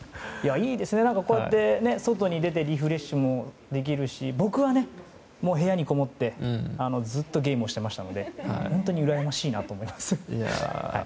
いいですね、こうやって外に出てリフレッシュもできるし僕は部屋にこもってずっとゲームをしていましたので本当にうらやましいなと思います。